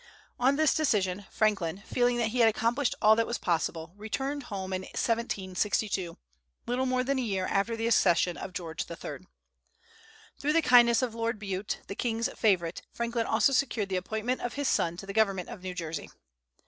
On this decision, Franklin, feeling that he had accomplished all that was possible, returned home in 1762, little more than a year after the accession of George III. Through the kindness of Lord Bute, the king's favorite, Franklin also secured the appointment of his son to the government of New Jersey.